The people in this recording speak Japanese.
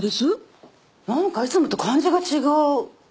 何かいつもと感じが違う。